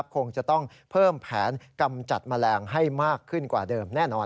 คงจะต้องเพิ่มแผนกำจัดแมลงให้มากขึ้นกว่าเดิมแน่นอน